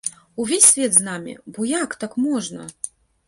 Увесь свет з намі, бо як так можна!?